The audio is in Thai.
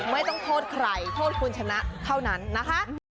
ไม่ต้องโทษใครโทษคุณชนะเท่านั้นนะคะ